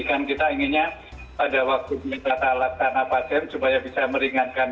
kan kita inginnya pada waktu minta talak tanah pasien supaya bisa meringankan